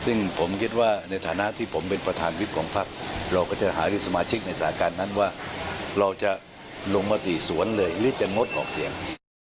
ซึ่งผมคิดว่าในฐานะที่ผมเป็นประธานวิบของพักเราก็จะหารือสมาชิกในสถานการณ์นั้นว่าเราจะลงมติสวนเลยหรือจะงดออกเสียง